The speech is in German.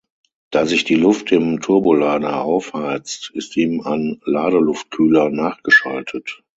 Da sich die Luft im Turbolader aufheizt, ist ihm ein Ladeluftkühler nachgeschaltet.